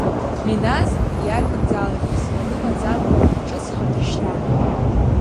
Миназ иарбанзаалакь ҵысра лымаӡамкәа ҿыцха дышьҭан.